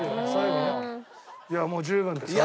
いやもう十分です。